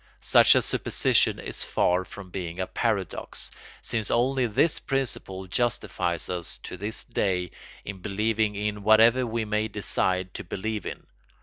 Such a supposition is far from being a paradox, since only this principle justifies us to this day in believing in whatever we may decide to believe in.